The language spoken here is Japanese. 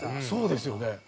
そうですよね。